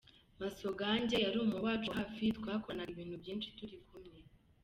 Masogange yari umuntu wacu wa hafi, twakoranaga ibintu byinshi turi kumwe.